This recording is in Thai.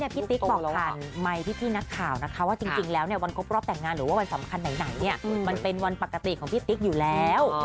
ติ๊กบอกผ่านไมค์พี่นักข่าวนะคะว่าจริงแล้ววันครบรอบแต่งงานหรือว่าวันสำคัญไหนมันเป็นวันปกติของพี่ติ๊กอยู่แล้ว